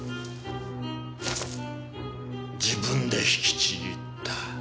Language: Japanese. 自分で引きちぎった。